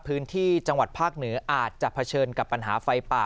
พื้นที่จังหวัดภาคเหนืออาจจะเผชิญกับปัญหาไฟป่า